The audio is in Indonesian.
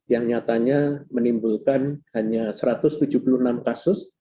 yang nyatanya menimbulkan hanya satu ratus tujuh puluh enam kasus